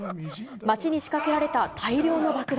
街に仕掛けられた大量の爆弾。